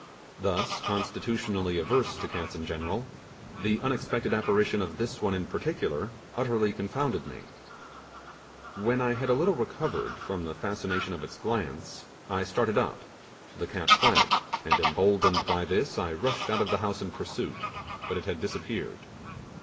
Thus constitutionally averse to cats in general, the unexpected apparition of this one in particular utterly confounded me. When I had a little recovered from the fascination of its glance, I started up; the cat fled, and emboldened by this, I rushed out of the house in pursuit; but it had disappeared.